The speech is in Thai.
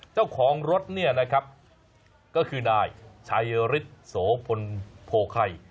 เจ้าของรถเนี่ยนะครับก็คือนายชัยฤทธิ์โสพลโพไข่